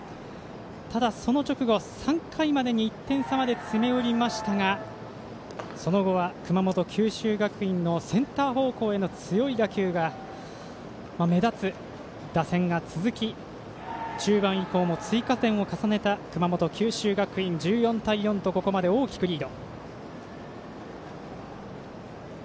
ただ、その直後３回までに１点差まで詰め寄りましたがその後は熊本、九州学院のセンター方向への強い打球が目立つ打線が続き中盤以降も追加点を重ねた熊本、九州学院、１４対４とここまで大きくリード。